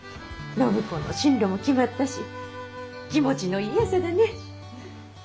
暢子の進路も決まったし気持ちのいい朝だね。